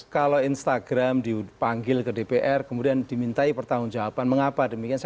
kalau instagram dipanggil ke dpr kemudian dimintai pertanggung jawaban mengapa demikian saya